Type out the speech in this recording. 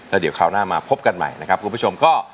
แล้วเดี๋ยวคราวหน้ามาพบกันใหม่นะครับคุณผู้ชมก็